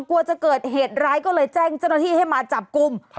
กลัวจะเกิดเหตุร้ายก็เลยแจ้งเจ้าหน้าที่ให้มาจับกลุ่ม